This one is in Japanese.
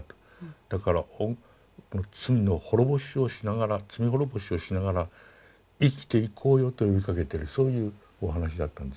だから罪の滅ぼしをしながら罪滅ぼしをしながら生きていこうよと呼びかけてるそういうお話だったんですね。